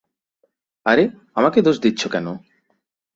আরে আমাকে দোষ দিচ্ছো কেন?